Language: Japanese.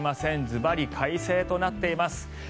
ズバリ快晴となっています。